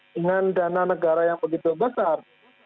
dengan dana negara yang begitu besar